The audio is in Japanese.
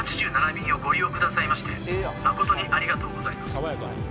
便をご利用くださいまして誠にありがとうございます。